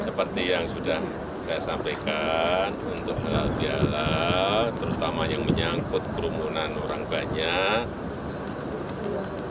seperti yang sudah saya sampaikan untuk halal bihalal terutama yang menyangkut kerumunan orang banyak